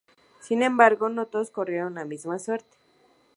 Sin embargo, no todos corrieron la misma suerte.